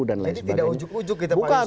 jadi tidak ujug ujug kita pak yusman